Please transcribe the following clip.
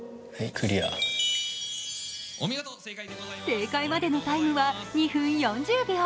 正解までのタイムは２分４０秒。